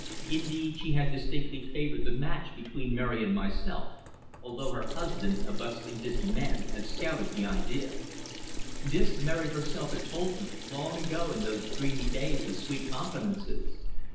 Indeed, she had distinctly favoured the match between Mary and myself, although her husband, a bustling, busy man, had scouted the idea. This Mary herself had told me long ago in those dreamy days of sweet confidences.